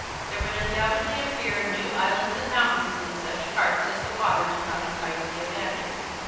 There would undoubtedly appear new islands and mountains in such parts as the water did not entirely abandon.